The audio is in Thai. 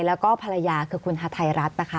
แล้วก็ภรรยาคือคุณฮาไทยรัฐนะคะ